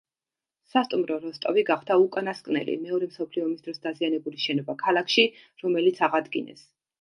სასტუმრო „როსტოვი“ გახდა უკანასკნელი, მეორე მსოფლიო ომის დროს დაზიანებული შენობა ქალაქში, რომელიც აღადგინეს.